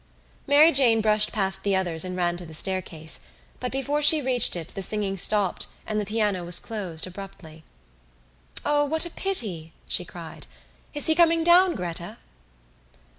Mary Jane brushed past the others and ran to the staircase, but before she reached it the singing stopped and the piano was closed abruptly. "O, what a pity!" she cried. "Is he coming down, Gretta?"